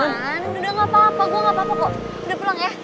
man udah gapapa gue gapapa kok udah pulang ya